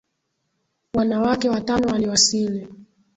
Wanawake watano waliwasili.